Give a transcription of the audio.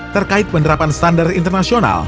terkait penerapan standar internasional